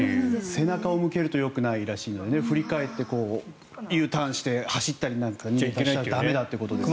背中を向けるとよくないらしいので振り返ってＵターンして走ったりなんかしちゃ駄目だということですよね。